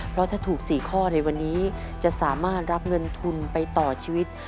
เพราะถ้าถูก๔ข้อในวันนี้จะสามารถรับเงินทุนไปต่อชีวิต